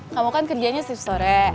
kamu kan kerjanya shift sore